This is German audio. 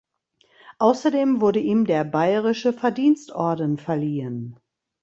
Außerdem wurde ihm der Bayerische Verdienstorden verliehen.